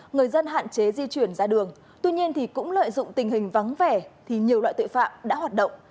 người dân hạn chế di chuyển ra đường tuy nhiên cũng lợi dụng tình hình vắng vẻ thì nhiều loại tội phạm đã hoạt động